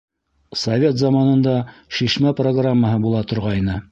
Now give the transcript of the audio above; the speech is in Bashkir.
Совет заманында «Шишмә» программаһы була торғайны.